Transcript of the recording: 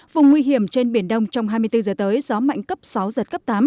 vùng nguy hiểm trên biển đông trong hai mươi bốn giờ tới gió mạnh cấp sáu giật cấp tám